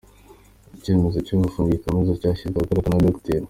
Icyemezo cyo gufunga iyi Kaminuza cyashyizwe ahagaragara na Dr.